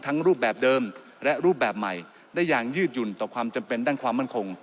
รูปแบบเดิมและรูปแบบใหม่ได้อย่างยืดหยุ่นต่อความจำเป็นด้านความมั่นคง